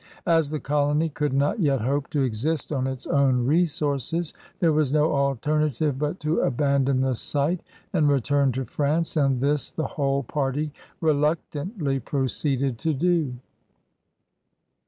As the colony could not yet hope to exist on its own resources, there was no alternative but to abandon the site and return to France, and this the whole party reluctantly proceeded to do.